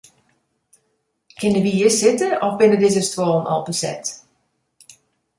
Kinne wy hjir sitte of binne dizze stuollen al beset?